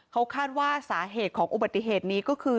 เขาคาดว่าสาเหตุของอุบัติเหตุนี้ก็คือ